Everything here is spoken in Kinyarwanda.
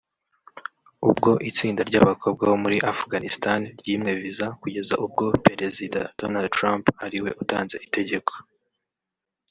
ubwo itsinda ry’abakobwa bo muri Afghanistan ryimwe visa kugeza ubwo perezida Donald Trump ariwe utanze itegeko